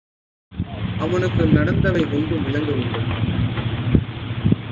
அவனுக்கு நடந்தவை ஒன்றும் விளங்கவில்லை.